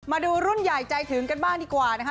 มาดูรุ่นใหญ่ใจถึงกันบ้างดีกว่านะคะ